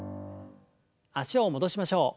脚を戻しましょう。